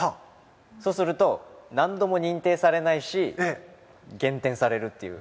そうすると難度も認定されないし減点されるという。